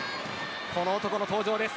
この男の登場です